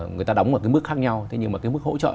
người ta đóng ở cái mức khác nhau thế nhưng mà cái mức hỗ trợ